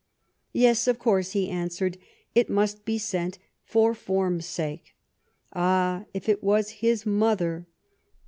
" Yes, of course," he answered ; "it must be sent; — for form's sake. Ah ! if it was his mother